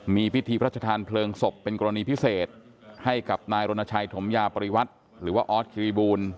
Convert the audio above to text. มีพิธีพระชธานเพลิงศพเป็นกรณีพิเศษให้กับนายรณชัยถมยาปริวัติหรือว่าออสคิริบูล